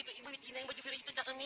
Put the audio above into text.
itu ibu betina yang baju biru itu cezamin